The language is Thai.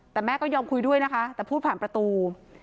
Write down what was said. แต่แม่ก็ยอมคุยด้วยนะคะแต่พูดผ่านประตู